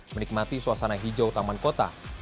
menikmati suasana hijau taman kota